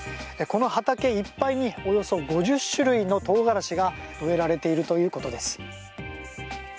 この畑いっぱいにおよそ５０種類のトウガラシが植えられているということです。